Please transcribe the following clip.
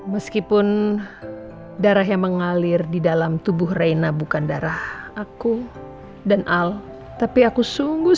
meskipun darah yang mengalir di dalam tubuh reina bukan darah aku dan al tapi aku sungguh